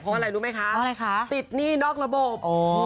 เพราะอะไรรู้ไหมคะติดหนี้นอกระบบ